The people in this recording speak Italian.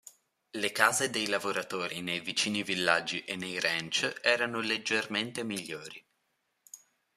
Le case dei lavoratori nei vicini villaggi e nei ranch erano leggermente migliori.